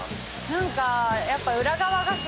何かやっぱ。